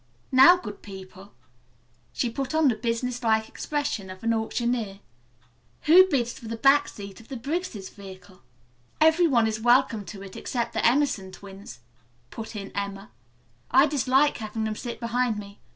Now, good people," she put on the business like expression of an auctioneer, "who bids for the back seat of the Briggs' vehicle?" "Every one is welcome to it except the Emerson twins," put in Emma. "I dislike having them sit behind me.